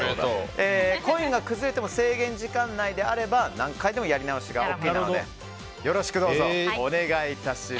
コインが崩れても制限時間内であれば何回でもやり直しがＯＫなのでよろしくどうぞお願いいたします。